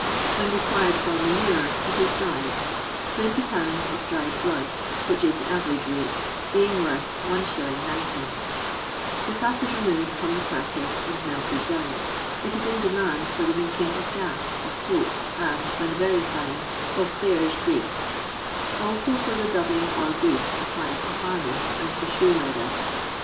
When required for manure it is dried — 20 lbs. of dried blood, which is the average weight, being worth \n. 9d, The fat is removed from the car cass and melted down. It is in demand for the making of gas, of soap, and (when very fine) of — bear's grease ; also for the dubbing or grease applied to harness and to shoe leather.